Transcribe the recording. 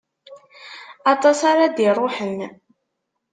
Aṭas ara d-iṛuḥen.